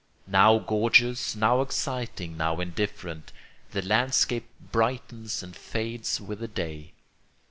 Now gorgeous, now exciting, now indifferent, the landscape brightens and fades with the day.